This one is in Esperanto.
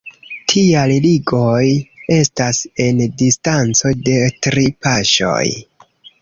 Tiaj ligoj estas en distanco de tri paŝoj.